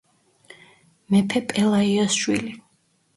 მეფე პელაიოს შვილი.